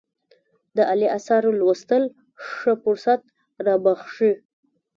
د عالي آثارو لوستل ښه فرصت رابخښي.